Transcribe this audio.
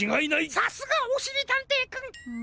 さすがおしりたんていくん！